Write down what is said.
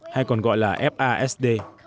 hay còn gọi là fasd